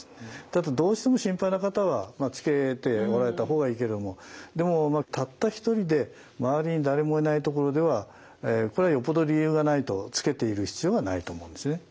ただどうしても心配な方はつけておられた方がいいけどもでもたった一人で周りに誰もいないところではこれはよっぽど理由がないとつけている必要がないと思うんですね。